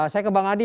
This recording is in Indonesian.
saya ke bang adi